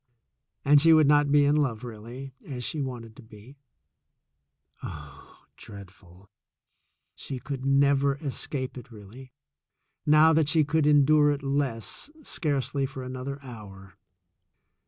And she would not be in love really, as she wanted to be. Oh, dreadful! She could never escape it really, now that she could endure it less, scarcely for another hour.